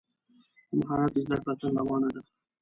د مهارت زده کړه تل روانه ده.